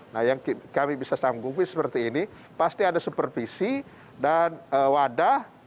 nah yang kami bisa sanggupi seperti ini pasti ada supervisi dan wadah